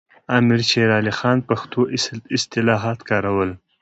امیر شیر علي خان پښتو اصطلاحات کارول.